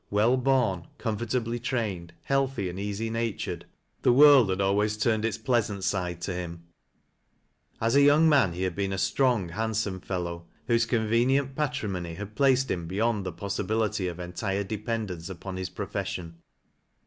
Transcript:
Well born comfortably trained, healthy and easy natured, the wiuld had always turned its pleasant side to him. As a youn^ aau, he had been a strong, handsome fellow, whose con ccnient patrimony had placed him beyond the possibilitj of entire dependence upon his profession.